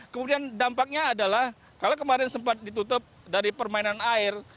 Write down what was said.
kemudian dampaknya adalah kalau kemarin sempat ditutup dari permainan air